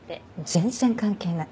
全然関係ない。